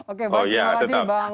oke baiknya makasih bang maulana